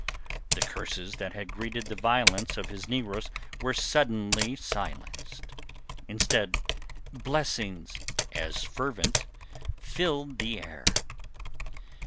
The curses that had greeted the violence of his negroes were suddenly silenced; instead, blessings as fervent filled the air.